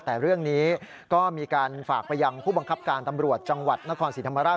แต่เรื่องนี้ก็มีการฝากไปยังผู้บังคับการตำรวจจังหวัดนครศรีธรรมราช